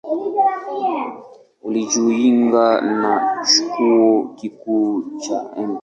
Alijiunga na Chuo Kikuu cha Mt.